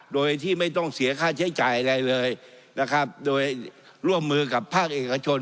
โดยที่ไม่ต้องเสียค่าใช้จ่ายอะไรเลยนะครับโดยร่วมมือกับภาคเอกชน